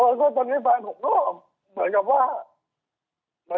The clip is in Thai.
ก็ตอนนี้แฟนผมก็เหมือนกับว่า